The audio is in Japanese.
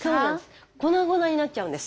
粉々になっちゃうんです。